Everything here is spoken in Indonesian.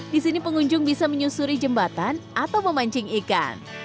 di sini pengunjung bisa menyusuri jembatan atau memancing ikan